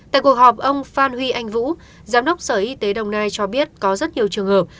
tại cuộc họp ông phan huy anh vũ giám đốc sở y tế đồng nai cho biết có rất nhiều trường hợp